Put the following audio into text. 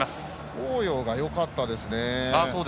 王洋、よかったですね。